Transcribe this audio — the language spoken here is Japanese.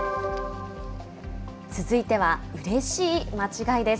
続いては、うれしい間違いです。